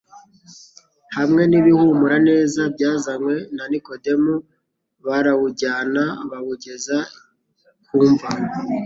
hamwe n'ibihumura neza byazanywe na Nikodemu, barawujyana bawugeza ku mva.